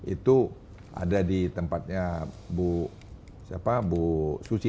itu ada di tempatnya bu susi